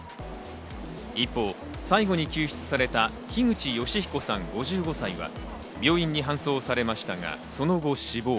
一方、最後に救出された樋口善彦さん、５５歳は病院に搬送されましたが、その後、死亡。